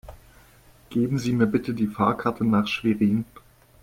Geben Sie mir bitte die Fahrkarte nach Schwerin